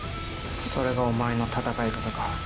それがお前の戦い方か。